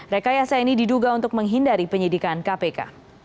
rekayasa ini diduga untuk menghindari penyidikan kpk